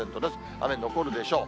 雨残るでしょう。